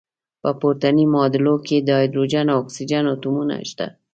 په پورتني معادله کې د هایدروجن او اکسیجن اتومونه شته.